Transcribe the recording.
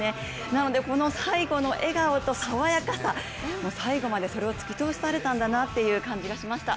なのでこの最後の笑顔と爽やかさ、もう最後までそれを突き通されたんだなと感じました。